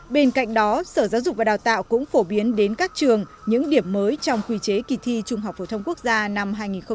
bên cạnh đó sở giáo dục và đào tạo cũng phổ biến đến các trường những điểm mới trong quy chế kỳ thi trung học phổ thông quốc gia năm hai nghìn một mươi tám